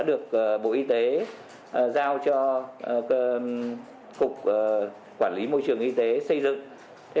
được bộ y tế giao cho cục quản lý môi trường y tế xây dựng